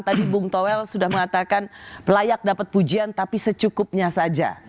tadi bung toel sudah mengatakan layak dapat pujian tapi secukupnya saja